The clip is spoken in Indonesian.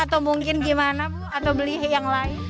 atau mungkin gimana bu atau beli yang lain